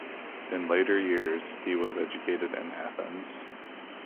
In later years, he was educated in Athens.